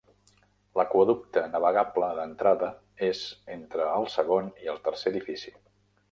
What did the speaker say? L'aqüeducte navegable d"entrada és entre el segon i el tercer edifici.